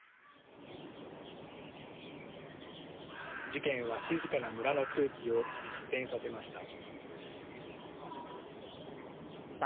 事件は静かな村の空気を一変させました。